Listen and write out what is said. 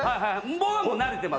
僕はもう慣れてます。